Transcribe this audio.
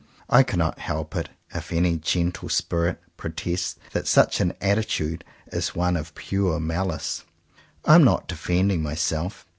I cannot help it if any gentle spirit protests that such an attitude is one of pure malice. I am not defending myself.